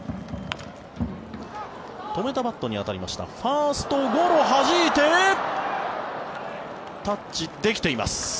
止めたバットに当たりましたファーストゴロ、はじいてタッチできています。